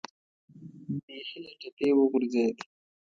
بیخي له ټپې وغورځېد.